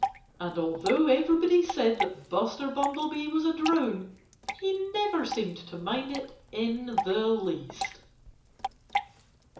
And although everybody said that Buster Bumblebee was a drone, he never seemed to mind it in the least.